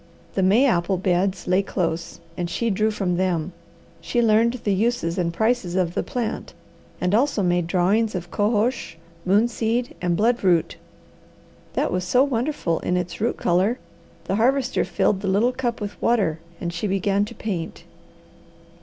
The May apple beds lay close, and she drew from them. She learned the uses and prices of the plant, and also made drawings of cohosh, moonseed and bloodroot. That was so wonderful in its root colour, the Harvester filled the little cup with water and she began to paint.